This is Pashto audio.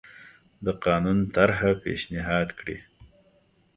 د قانون طرحه پېشنهاد کړي.